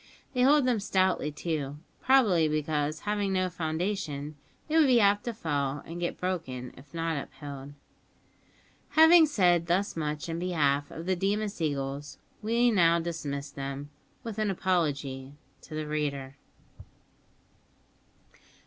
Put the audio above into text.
They hold them stoutly, too, probably because, having no foundation, they would be apt to fall and get broken if not upheld. Having said thus much in behalf of the Deemas eagles, we now dismiss them, with an apology to the reader.